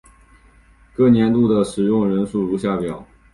各年度的使用人数如下表。